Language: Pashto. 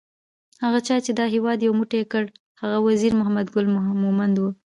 هغه چا چې دا هیواد یو موټی کړ هغه وزیر محمد ګل مومند وو